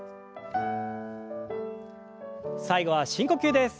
最後は深呼吸です。